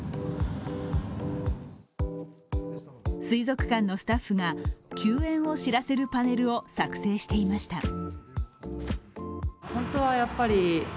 水族館のスタッフが休園を知らせるパネルを作成していました。